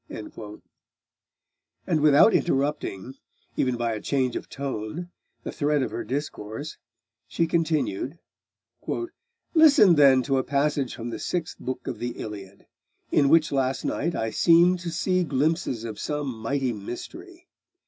And without interrupting, even by a change of tone, the thread of her discourse, she continued 'Listen, then, to a passage from the sixth book of the Iliad, in which last night I seemed to see glimpses of some mighty mystery.